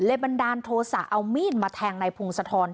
เอามีนมาแทงในภูงสะทอน